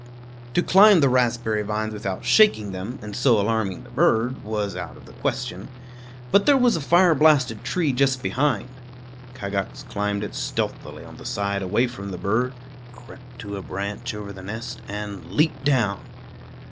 To climb the raspberry vines without shaking them, and so alarming the bird, was out of the question; but there was a fire blasted tree just behind. Kagax climbed it stealthily on the side away from the bird, crept to a branch over the nest, and leaped down.